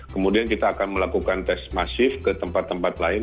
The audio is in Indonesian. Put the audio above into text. kemudian kita akan melakukan tes masif ke tempat tempat lain